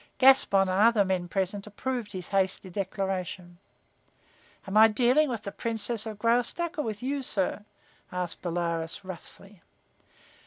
Gaspon and other men present approved his hasty declaration. "Am I dealing with the Princess of Graustark or with you, sir?" asked Bolaroz, roughly.